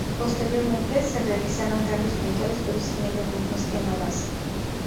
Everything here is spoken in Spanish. Posteriormente, se realizaron cambios puntuales pero siguiendo el mismo esquema base.